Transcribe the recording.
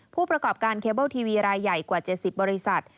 ผู้ประกอบการเคเบิลทีวีรายใหญ่กว่า๗๐บริษัท